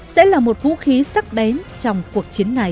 sẽ là một vũ khí sắc bén trong cuộc chiến này